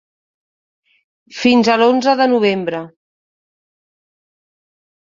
Fins a l’onze de novembre.